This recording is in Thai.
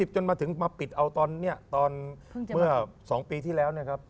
๓๐จนมาถึงปิดเอาเมื่อ๒ปีที่แล้ว